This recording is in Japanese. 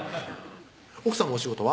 奥さまお仕事は？